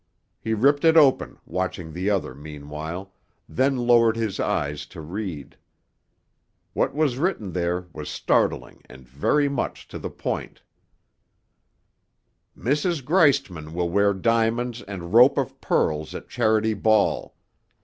He ripped it open, watching the other meanwhile, then lowered his eyes to read. What was written there was startling and very much to the point: Mrs. Greistman will wear diamonds and rope of pearls at Charity Ball.